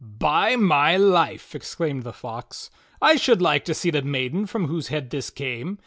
"By my life!" exclaimed the Fox, "I should like to see the maiden from whose head this came.